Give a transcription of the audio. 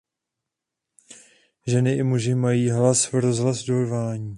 Ženy i muži mají hlas v rozhodování.